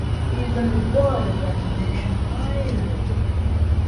He is on the board of Animation Ireland.